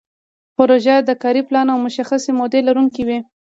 پروژه د کاري پلان او مشخصې مودې لرونکې وي.